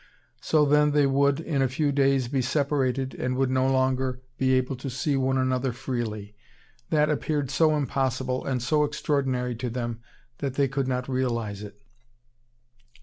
So then they would, in a few days, be separated and would no longer be able to see one another freely. That appeared so impossible and so extraordinary to them that they could not realize it.